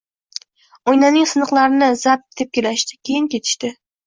Oynaning siniqlarini zab tepkilashdi. Keyin ketishdi.